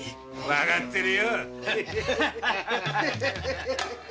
わかってるよ。